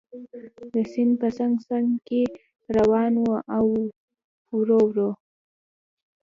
د سیند په څنګ څنګ کې روان و او ورو ورو.